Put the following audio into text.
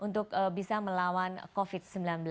untuk bisa melawan covid sembilan belas